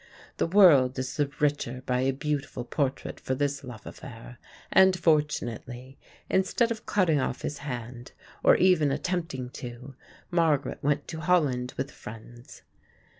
The world is the richer by a beautiful portrait for this love affair, and fortunately, instead of cutting off his hand or even attempting to, Margaret went to Holland with friends.